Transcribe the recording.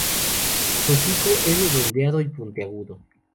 Su hocico es redondeado y puntiagudo.